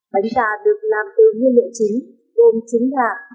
bánh cà được làm từ nguyên liệu chính